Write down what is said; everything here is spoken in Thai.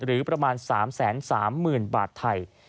หรือประมาณ๓๓๐๐๐บาทไทย